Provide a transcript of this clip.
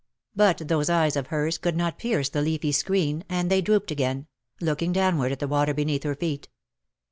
But those eyes of hers could not pierce the leafy screen, and they drooped again,, looking downward at the water beneath her feet.